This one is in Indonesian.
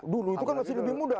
dulu itu kan masih lebih muda